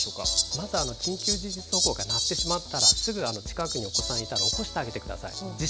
まずは緊急地震速報が鳴ってしまったら、お子さんがいたら起こしてあげてください。